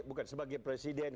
bukan sebagai presiden